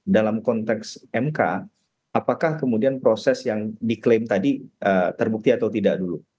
dalam konteks mk apakah kemudian proses yang diklaim tadi terbukti atau tidak dulu